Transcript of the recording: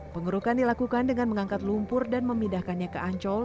pengerukan dilakukan dengan mengangkat lumpur dan memindahkannya ke ancol